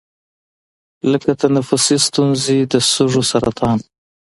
لـکه تنفـسي سـتونـزې، د سـږوسـرطـان،